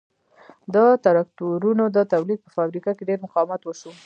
د ترکتورونو د تولید په فابریکه کې ډېر مقاومت وشو